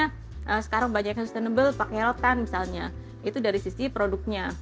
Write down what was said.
karena sekarang banyak yang sustainable pakai elokan misalnya itu dari sisi produknya